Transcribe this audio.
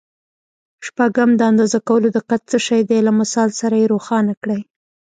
شپږم: د اندازه کولو دقت څه شی دی؟ له مثال سره یې روښانه کړئ.